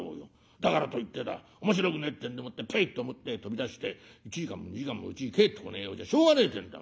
だからといってだ面白くねえってんでもってぷいと表へ飛び出して１時間も２時間もうちに帰ってこねえようじゃしょうがねえってんだ